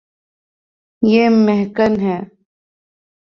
یے مہکن ہے